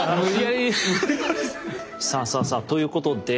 さあさあさあということで